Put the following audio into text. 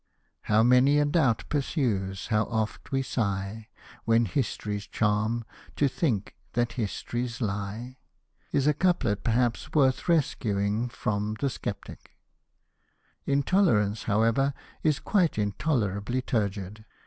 How many a doubt pursues, how oft we sigh, When histories charm, to think that histories lie is a couplet perhaps worth rescuing from TJie Sceptic, hitoleratice^ however, is quite intolerably turgid.